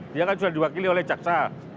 dia kan sudah diwakili oleh jaksa